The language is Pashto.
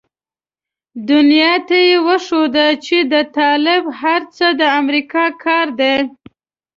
دنيا ته يې وښوده چې د طالب هر څه د امريکا کار دی.